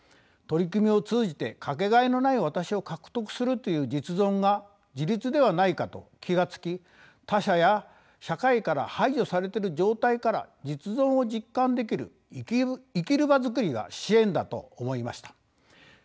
取り組みを通じてかけがえのない私を獲得するという実存が自立ではないかと気が付き他者や社会から排除されている状態から実存を実感できる生きる場づくりが支援だと思いました。